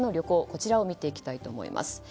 こちらを見ていきたいと思います。